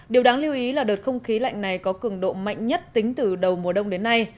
điều đáng lưu ý là đợt không khí lạnh này có cường độ mạnh nhất tính từ đầu mùa đông đến nay